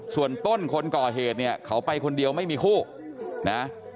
ส่วนต้นคนก่อเหตุเนี่ยเขาไปคนเดียวไม่มีคู่นะ